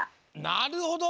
なるほど！